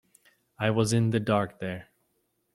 I was in the dark there.